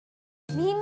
みんな！